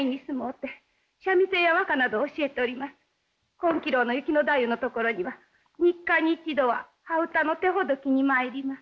金亀楼の雪野太夫のところには３日に１度は端唄の手ほどきに参ります。